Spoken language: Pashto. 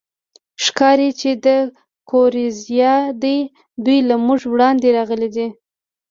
ښکاري، چې د ګوریزیا دي، دوی له موږ وړاندې راغلي دي.